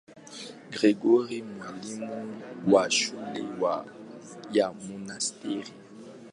Gregori, mwalimu wa shule ya monasteri.